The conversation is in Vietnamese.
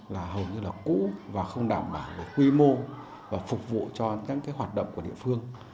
là hầu như là cũ và không đảm bảo về quy mô và phục vụ cho những hoạt động của địa phương